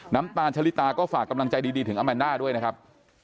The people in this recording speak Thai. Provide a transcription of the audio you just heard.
น้ำตาลชะลิตาก็ฝากกำลังใจดีถึงอาแมนน่าด้วยนะครับ